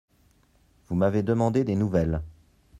Vous m’avez demandé des nouvelles…